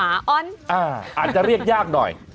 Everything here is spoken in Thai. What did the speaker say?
อาจจะเรียกยากหน่อย